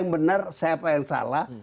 benar siapa yang salah